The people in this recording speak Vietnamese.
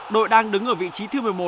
đội đang đứng ở vị trí thứ một mươi một